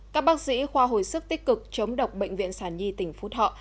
các bác sĩ khoa hồi sức tích cực chống độc bệnh viện sản nhi tỉnh phú thọ